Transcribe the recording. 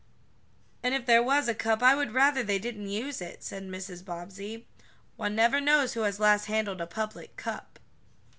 "And if there was a cup, I would rather they didn't use it," said Mrs. Bobbsey. "One never knows who has last handled a public cup."